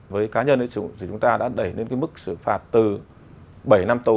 với cá nhân thì chúng ta đã đẩy lên cái mức sử phạt từ bảy năm tù